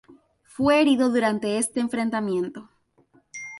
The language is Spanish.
Fue herido durante este enfrentamiento.